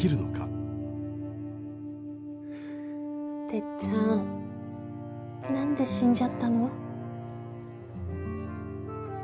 てっちゃん何で死んじゃったの？